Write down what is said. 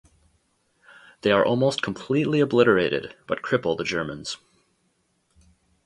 They are almost completely obliterated, but cripple the Germans.